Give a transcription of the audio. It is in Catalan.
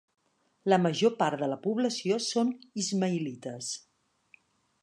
La major part de la població són ismaïlites.